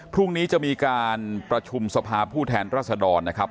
พรุ่งนี้จะมีการประชุมสภาผู้แทนรัศดรนะครับ